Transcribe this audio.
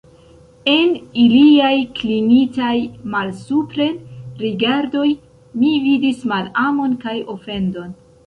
En iliaj klinitaj malsupren rigardoj mi vidis malamon kaj ofendon.